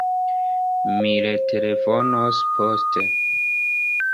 Mi retelefonos poste.